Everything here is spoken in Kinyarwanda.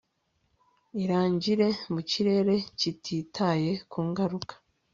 Irangire mu kirere kititaye ku ngaruka